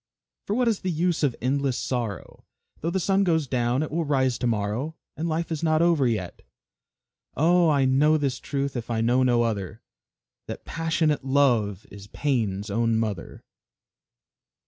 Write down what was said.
"For what is the use of endless sorrow? Though the sun goes down, it will rise to morrow; And life is not over yet." Oh! I know this truth, if I know no other, That passionate Love is Pain's own mother.